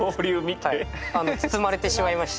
はい包まれてしまいまして。